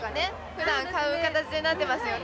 普段買う形になってますよね